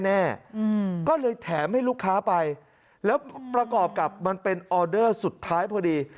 ก็เลยแถมให้ลูกค้าไปแล้วประกอบกับมันเป็นออเดอร์สุดท้ายพอดี